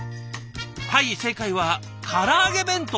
はい正解はから揚げ弁当！